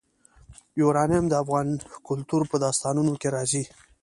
یورانیم د افغان کلتور په داستانونو کې راځي.